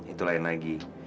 itu lain lagi